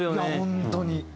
本当に。